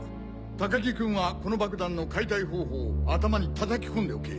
高木君はこの爆弾の解体方法を頭にたたき込んでおけ。